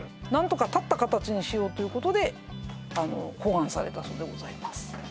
何とか立った形にしようということで考案されたそうでございます